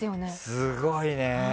すごいね。